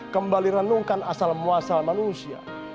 kembali renungkan asal muasal manusia